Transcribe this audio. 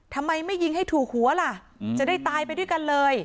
ทำไมไม่ยิงให้ถูกหัวล่ะจะได้ตายไปด้วยกันเลย